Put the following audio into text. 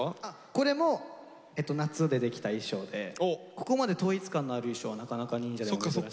これも夏でできた衣装でここまで統一感のある衣装はなかなか忍者では珍しいので革命でしたね。